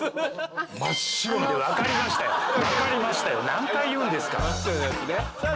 何回言うんですか？